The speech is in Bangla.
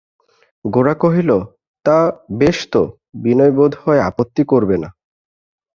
গোরা কহিল, তা, বেশ তো– বিনয় বোধ হয় আপত্তি করবে না।